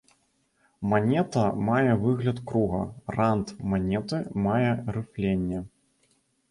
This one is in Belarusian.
Манета мае выгляд круга, рант манеты мае рыфленне.